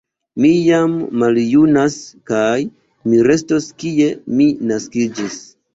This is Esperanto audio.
Mi jam maljunas, kaj mi restos kie mi naskiĝis.